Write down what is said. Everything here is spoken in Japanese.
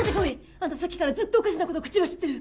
あんたさっきからずっとおかしな事口走ってる！